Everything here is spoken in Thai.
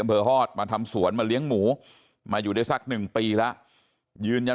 อำเภอฮอตมาทำสวนมาเลี้ยงหมูมาอยู่ได้สักหนึ่งปีแล้วยืนยัน